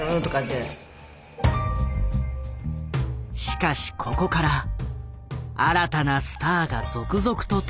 しかしここから新たなスターが続々と誕生していく。